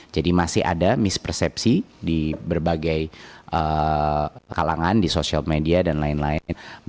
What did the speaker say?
jadi masih ada mispersepsi di berbagai kalangan di social media dan lain lain